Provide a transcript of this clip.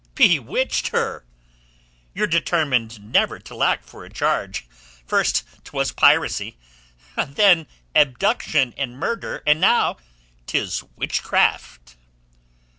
"Bewitched her? You're determined never to lack for a charge. First 'twas piracy, then abduction and murder, and now 'tis witchcraft!"